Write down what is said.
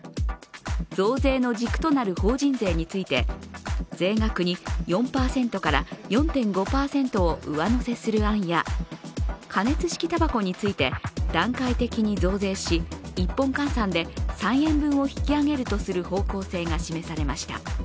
増税の軸となる法人税について税額に４％から４．５％を上乗せする案や加熱式たばこについて段階的に増税し１本換算で３円分を引き上げるとする方向性が示されました。